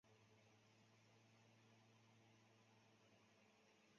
蜀榆为榆科榆属下的一个变种。